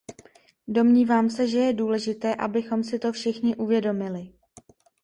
Domnívám se, že je důležité, abychom si to všichni uvědomili.